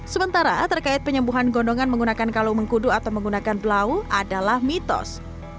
sementara terkait penyembuhan gondongan menggunakan kalung mengkudu atau menggunakan blau adalah mitos